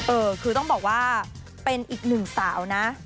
เออคือต้องบอกว่าเป็นอีกหนึ่งสาวนะ